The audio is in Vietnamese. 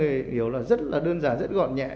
về hiểu là rất là đơn giản rất gọn nhẹ